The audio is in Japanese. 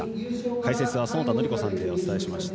解説は園田教子さんでお伝えしました。